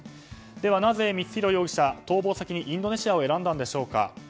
ではなぜ光弘容疑者逃亡先にインドネシアを選んだのか。